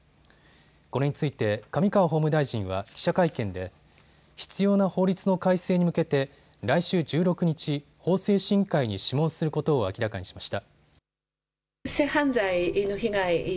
これについて上川法務大臣は記者会見で必要な法律の改正に向けて来週１６日、法制審議会に諮問することを明らかにしました。